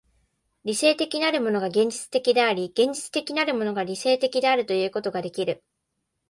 理性的なるものが現実的であり、現実的なるものが理性的であるということができる。